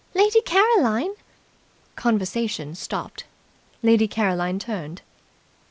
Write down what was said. "Lady Caroline." Conversation stopped. Lady Caroline turned.